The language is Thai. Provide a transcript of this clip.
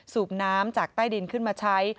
สูบน้ำจากใต้ดินขึ้นมาใช้